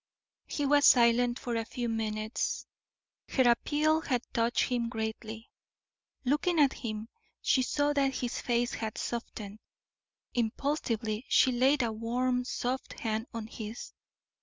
He was silent for a few minutes; her appeal had touched him greatly. Looking at him, she saw that his face had softened. Impulsively she laid a warm, soft hand on his.